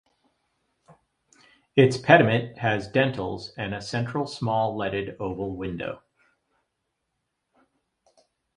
Its pediment has dentils and a central, small, leaded oval window.